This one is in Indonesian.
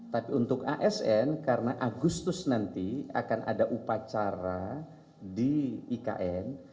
tapi untuk asn karena agustus nanti akan ada upacara di ikn